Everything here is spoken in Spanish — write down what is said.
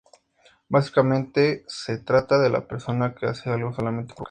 Básicamente, se trata de la persona que hace algo solamente por vocación.